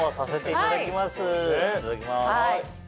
いただきます。